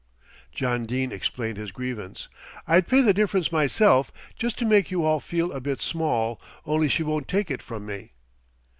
John Dene explained his grievance. "I'd pay the difference myself, just to make you all feel a bit small, only she won't take it from me."